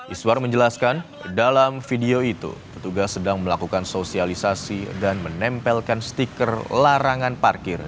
iswar menjelaskan dalam video itu petugas sedang melakukan sosialisasi dan menempelkan stiker larangan parkir